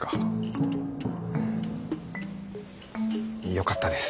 よかったです。